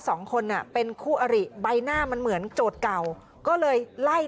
สองคนอ่ะเป็นคู่อริใบหน้ามันเหมือนโจทย์เก่าก็เลยไล่